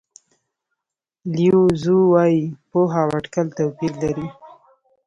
لیو زو وایي پوهه او اټکل توپیر لري.